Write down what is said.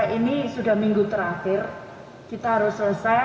ini sudah minggu terakhir kita harus selesai